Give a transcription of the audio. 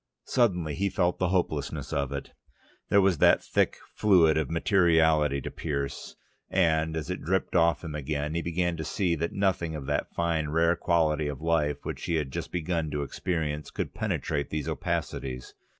Suddenly he felt the hopelessness of it. There was that thick fluid of materiality to pierce, and, as it dripped off him again, he began to see that nothing of that fine rare quality of life which he had just begun to experience, could penetrate these opacities.